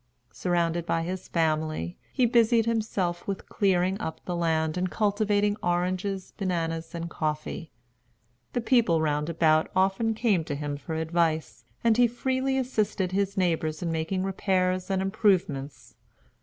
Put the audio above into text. Surrounded by his family, he busied himself with clearing up the land and cultivating oranges, bananas, and coffee. The people round about often came to him for advice, and he freely assisted his neighbors in making repairs and improvements.